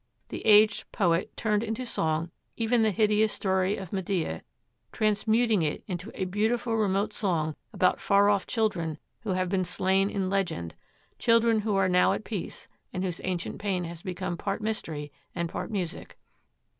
The aged poet turned into song even the hideous story of Medea, transmuting it into 'a beautiful remote song about far off children who have been slain in legend, children who are now at peace and whose ancient pain has become part mystery and part music.